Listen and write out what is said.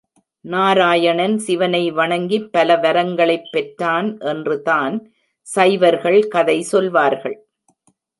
நாராயணன் சிவனை வணங்கிப் பல வரங்களைப் பெற்றான் என்றுதான் சைவர்கள் கதை சொல்வார்கள்.